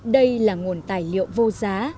đây là nguồn tài liệu vô giá